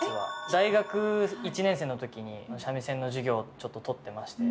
大学１年生の時に三味線の授業ちょっと取ってまして。